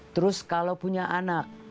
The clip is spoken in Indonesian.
terus kalau punya anak